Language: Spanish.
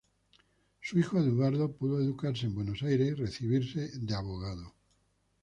Su hijo Eduardo pudo educarse en Buenos Aires y recibirse de abogado.